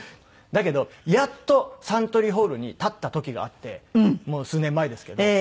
だけどやっとサントリーホールに立った時があってもう数年前ですけど。